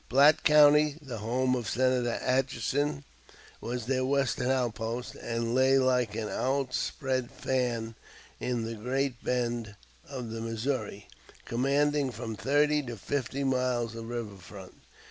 Platte County, the home of Senator Atchison, was their Western outpost, and lay like an outspread fan in the great bend of the Missouri, commanding from thirty to fifty miles of river front.